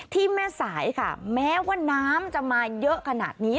ที่แม่สายค่ะแม้ว่าน้ำจะมาเยอะขนาดนี้